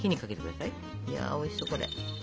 いやおいしそうこれ。